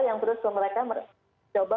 yang terus mereka mencoba